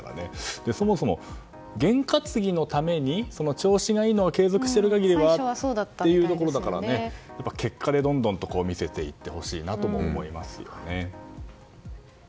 そもそも験担ぎのために調子がいいのを継続しているからというのが最初なので結果でどんどんと見せていってほしいなとも思いますよね。